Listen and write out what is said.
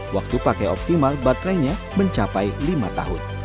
waktu pakai optimal baterainya mencapai lima tahun